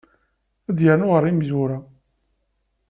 Ad yernu ɣer yimezwura.